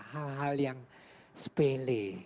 hal hal yang sepele